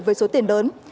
với số tiền lớn